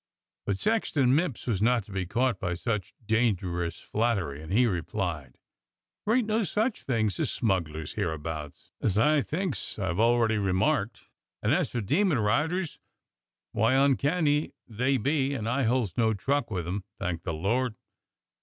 f^" But Sexton Mipps was not to be caught by such dangerous flattery, and he replied: "There ain't no such things as smugglers hereabouts, as I thinks I've already remarked; and as for demon riders, why, uncanny they be, and I holds no truck with 'em, thank the Lord.